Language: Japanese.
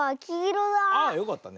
あっよかったね。